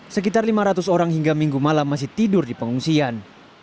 sekitar lima ratus orang hingga minggu malam masih tidur di pengungsian